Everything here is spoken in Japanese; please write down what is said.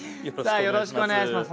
さあよろしくお願いします